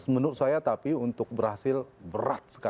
menurut saya tapi untuk berhasil berat sekali